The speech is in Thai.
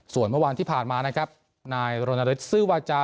ส่วนเมื่อวานที่ผ่านมานะครับนายรณฤทธซื้อวาจา